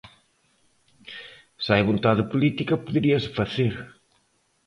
Se hai vontade política poderíase facer.